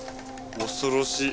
恐ろしい。